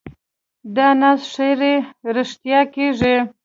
د ناز ښېرې رښتیا کېږي.